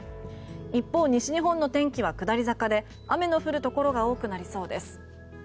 一方、西日本の天気は下り坂で雨の降るところが多くなりそうです。